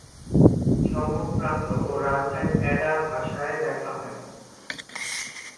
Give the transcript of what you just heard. সম্মুখপ্রান্ত ও run time Ada ভাষায় লেখা হয়।